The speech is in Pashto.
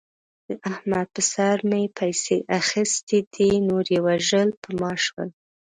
د احمد په سر مې پیسې اخستې دي. نور یې وژل په ما شول.